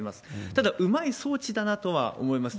ただうまい装置だなとは思います。